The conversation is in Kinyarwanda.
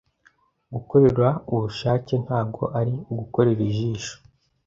gukorera ubushake ntabwo ari ugukorera ijisho